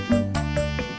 nah itu mereka